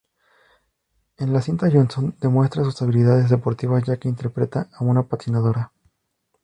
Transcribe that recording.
En la cinta Johnson demuestra sus habilidades deportivas, ya que interpreta a una patinadora.